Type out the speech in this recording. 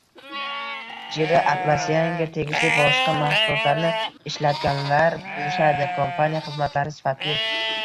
Jira Atlassianga tegishli boshqa mahsulotlarni ishlatganlar bilishadi kompaniya xizmatlari sifatli